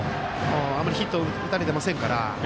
あまりヒットを打たれてませんから。